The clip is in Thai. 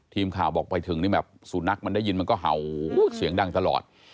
ทีมข่าวบอกไปถึงนี่แบบสุนัขมันได้ยินมันก็เห่าเสียงดังตลอด